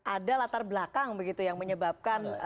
ada latar belakang begitu yang menyebabkan